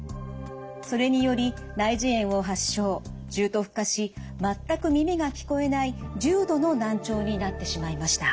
それにより内耳炎を発症重篤化し全く耳が聞こえない重度の難聴になってしまいました。